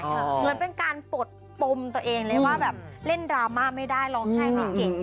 เหมือนเป็นการปลดปมตัวเองเลยว่าแบบเล่นดราม่าไม่ได้ร้องไห้ไม่เก่ง